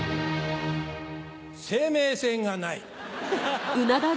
生命線がない。